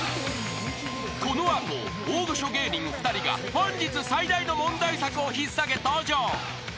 ［この後大御所芸人２人が本日最大の問題作を引っ提げ登場］